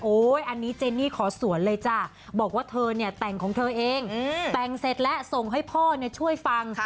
อันนี้เจนี่ขอสวนเลยจ้ะบอกว่าเธอเนี่ยแต่งของเธอเองแต่งเสร็จแล้วส่งให้พ่อช่วยฟัง